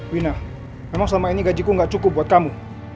wina memang selama ini gajiku gak cukup buat kamu